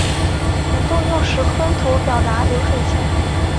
能够用时空图表达流水线